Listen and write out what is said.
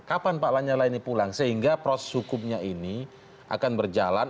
kapan pak lanyala ini pulang sehingga proses hukumnya ini akan berjalan